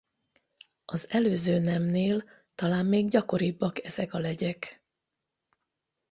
Az előző nemnél talán még gyakoribbak ezek a legyek.